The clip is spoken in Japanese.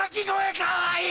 かわいい！